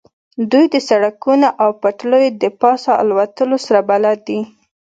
دوی د سړکونو او پټلیو د پاسه الوتلو سره بلد دي